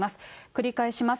繰り返します。